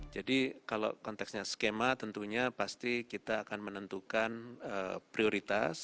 kalau konteksnya skema tentunya pasti kita akan menentukan prioritas